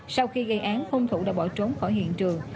sau khi gây án hông thủ đã bỏ trốn khỏi hiện trường